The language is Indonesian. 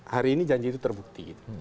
hari ini janji itu terbukti